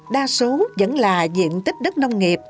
đa số vẫn là diện tích đất nông nghiệp